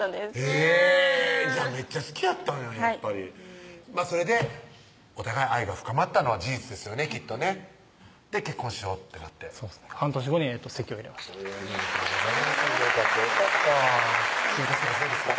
へぇじゃあめっちゃ好きやったんやはいそれでお互い愛が深まったのは事実ですよねきっとねで結婚しようってなって半年後に籍を入れましたおめでとうございますよかったよかった新婚生活どうですか？